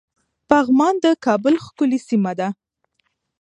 پغمان د کابل ښکلی سيمه ده